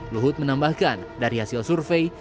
luhut menambahkan dari hasil survei